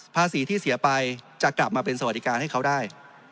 ภาษีที่เสียไปจะกลับมาเป็นสวัสดิการให้เขาได้